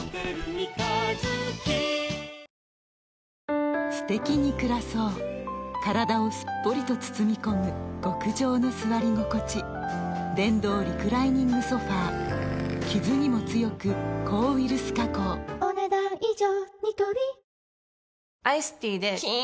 ニトリすてきに暮らそう体をすっぽりと包み込む極上の座り心地電動リクライニングソファ傷にも強く抗ウイルス加工お、ねだん以上。